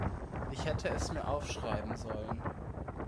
Ich hätte es mir aufschreiben sollen.